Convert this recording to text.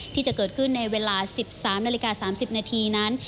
ที่จะเกิดขึ้นในเวลา๑๓นาฬิกา๓๐นาทีนั้น